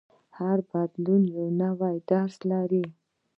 هر بدلون یو نوی درس لري.